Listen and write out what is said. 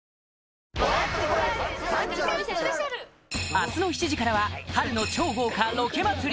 明日の７時からは春の超豪華ロケ祭り